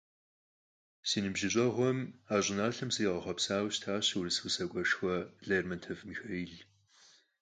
Си ныбжьыщӀэгъуэм а щӀыналъэм сригъэхъуэпсауэ щытащ урыс усакӀуэшхуэ Лермонтов Михаил.